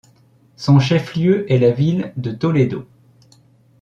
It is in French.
Son chef-lieu est la ville de Toledo.